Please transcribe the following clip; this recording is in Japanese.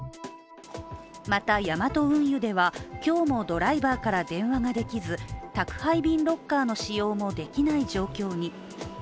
またヤマト運輸では、今日もドライバーから電話ができず宅配便ロッカーの使用もできない状況に。